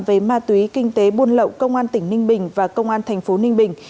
về ma túy kinh tế buôn lậu công an tỉnh ninh bình và công an thành phố ninh bình